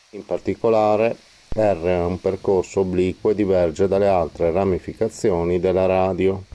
In particolare, R ha un percorso obliquo e diverge dalle altre ramificazioni della radio.